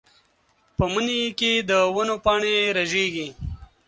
په مني کې د ونو پاڼې رژېږي.